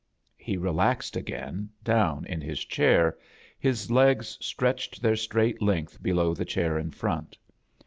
He relaxed again, down in his chair, his legs stretched their straight length below the chair in frcnt.